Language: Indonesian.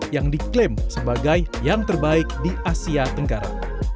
yang diklaim sebagai yang terbaik di asia tenggara